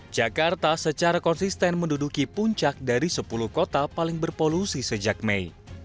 jakarta secara konsisten menduduki puncak dari sepuluh kota paling berpolusi sejak mei